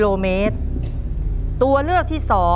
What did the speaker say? น้องป๋องเลือกเรื่องระยะทางให้พี่เอื้อหนุนขึ้นมาต่อชีวิต